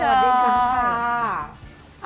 สวัสดีคุณค่ะ